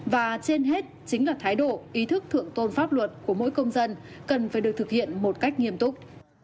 và trên hết chính là thái độ ý thức thượng tôn pháp luật của mỗi công dân cần phải được thực hiện một cách nghiêm túc